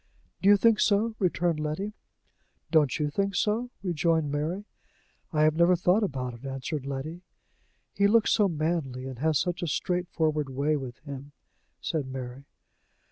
"Do you think so?" returned Letty. "Don't you think so?" rejoined Mary. "I have never thought about it," answered Letty. "He looks so manly, and has such a straightforward way with him!" said Mary.